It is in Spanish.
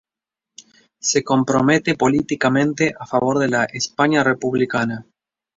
Se compromete políticamente a favor de la España republicana.